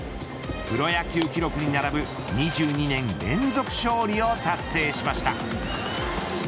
プロ野球記録に並ぶ２２年連続勝利を達成しました。